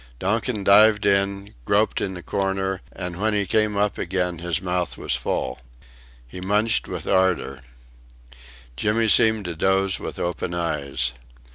Donkin dived in, groped in the corner and when he came up again his mouth was full. He munched with ardour. Jimmy seemed to doze with open eyes.